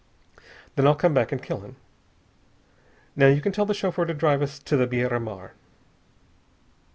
Then I'll come back and kill him. Now you can tell the chauffeur to drive us to the Biera Mar."